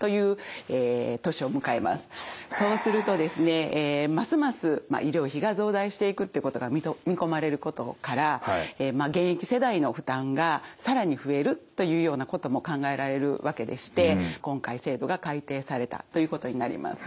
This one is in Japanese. そうするとですねますます医療費が増大していくってことが見込まれることから現役世代の負担が更に増えるというようなことも考えられるわけでして今回制度が改定されたということになります。